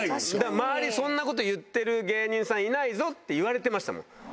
周りそんなこと言ってる芸人さんいないぞって言われてましたもん。